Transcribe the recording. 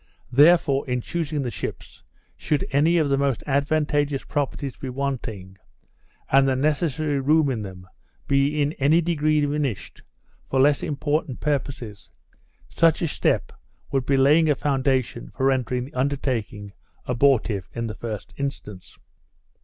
Therefore, in choosing the ships, should any of the most advantageous properties be wanting, and the necessary room in them, be in any degree diminished, for less important purposes, such a step would be laying a foundation for rendering the undertaking abortive in the first instance.